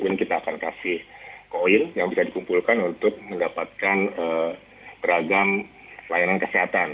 kemudian kita akan kasih koin yang bisa dikumpulkan untuk mendapatkan beragam layanan kesehatan